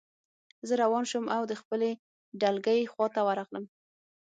زه روان شوم او د خپلې ډلګۍ خواته ورغلم